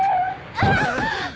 あっ！？